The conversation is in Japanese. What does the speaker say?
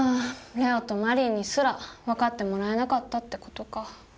礼央とマリーにすら分かってもらえなかったって事か。